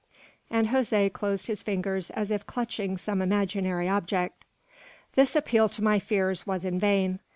And Jose closed his fingers as if clutching some imaginary object. This appeal to my fears was in vain.